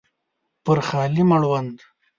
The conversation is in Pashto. پر خالي مړوند